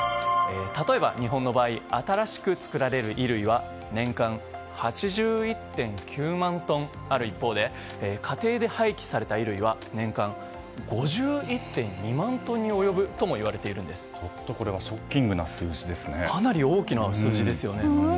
例えば、日本の場合新しく作られる衣類は年間８１．９万トンある一方で家庭で廃棄された衣類は年間５１．２万トンにちょっとこれはかなり大きな数字ですよね。